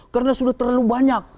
karena sudah terlalu banyak